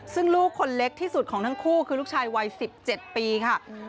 ซึ่งลูกคนเล็กที่สุดของทั้งคู่คือลูกชายวัย๑๗ปีค่ะ